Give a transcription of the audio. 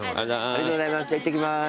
ありがとうございます。